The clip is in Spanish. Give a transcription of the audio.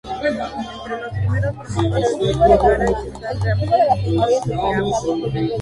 Entre los primeros promotores de speed garage están Dream Team y Tuff Jam.